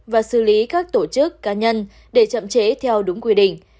và xử lý các tổ chức cá nhân để chậm chế theo đúng quy định